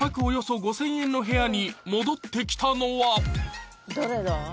およそ５，０００円の部屋に戻ってきたのは誰だ？